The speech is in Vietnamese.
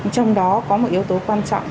trong đó có một yếu tố quan trọng